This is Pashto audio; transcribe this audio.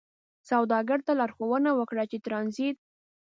سوداګرو ته لارښوونه وکړه چې ترانزیت